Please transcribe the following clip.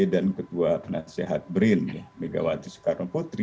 ketua penasehat brin megawati soekarno putri